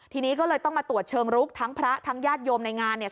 ทีนี้ก็เลยต้องมาตรวจเชิงลุกทั้งพระทั้งญาติโยมในงานเนี่ย